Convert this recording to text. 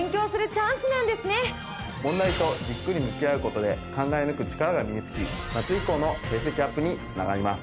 問題とじっくり向き合う事で考え抜く力が身につき夏以降の成績アップに繋がります。